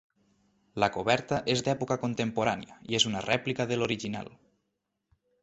La coberta és d'època contemporània i és una rèplica de l'original.